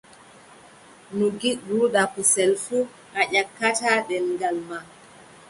No ngiɗruɗaa kusel fuu, a yakkataa ɗemngal maa.